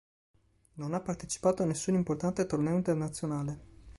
Non ha partecipato a nessun importante torneo internazionale.